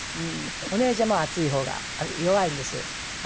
お姉ちゃまは暑い方が弱いんですよ。